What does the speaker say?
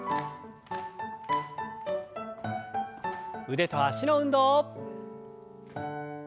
腕と脚の運動。